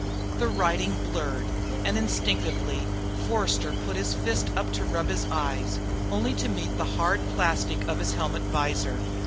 The writing blurred, and instinctively Forster put his fist up to rub his eyes, only to meet the hard plastic of his helmet visor.